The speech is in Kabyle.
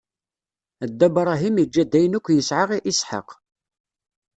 Dda Bṛahim iǧǧa-d ayen akk yesɛa i Isḥaq.